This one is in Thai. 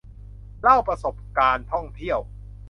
เล่าประสบการณ์ท่องเที่ยว